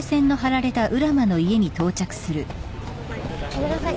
ごめんなさい。